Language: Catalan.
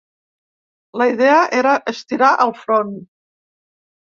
La idea era estirar el front.